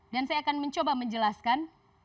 dan saya akan mencoba menjelaskan